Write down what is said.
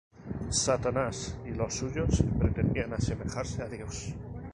Satanás y los suyos pretendían asemejarse a Dios.